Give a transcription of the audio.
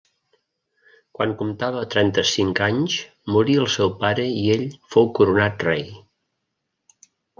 Quan comptava trenta-cinc anys morí el seu pare i ell fou coronat rei.